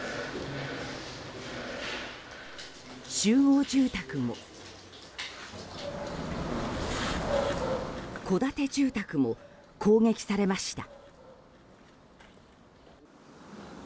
集合住宅も、戸建て住宅も攻撃されました。